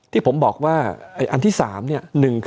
ที่ผมบอกว่าอันที่๓เนี่ย